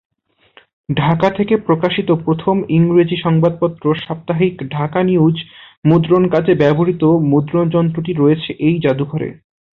ঢাকা থেকে প্রকাশিত প্রথম ইংরেজি সংবাদপত্র সাপ্তাহিক ‘ঢাকা নিউজ’ মুদ্রণ কাজে ব্যবহৃত মুদ্রণ যন্ত্রটি রয়েছে এই জাদুঘরে।